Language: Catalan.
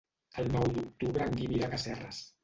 El nou d'octubre en Guim irà a Casserres.